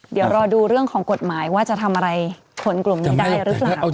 เดี๋ยวรอดูเรื่องของกฎหมายว่าจะทำอะไรคนกลุ่มนี้ได้หรือเปล่า